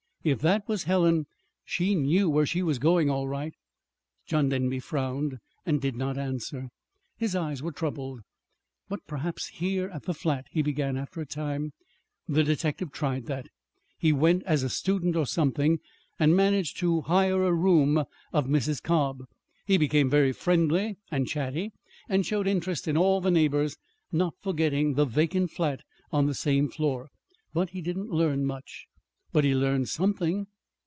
If that was Helen, she knew where she was going all right." John Denby frowned and did not answer. His eyes were troubled. "But perhaps here at the flat " he began, after a time. "The detective tried that. He went as a student, or something, and managed to hire a room of Mrs. Cobb. He became very friendly and chatty, and showed interest in all the neighbors, not forgetting the vacant flat on the same floor. But he didn't learn much." "But he learned something?"